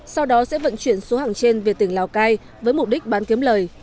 sau đó sẽ vận chuyển số hàng trên về tỉnh lào cai với mục đích bán kiếm lời